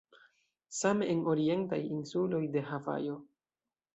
Same en orientaj insuloj de Havajo.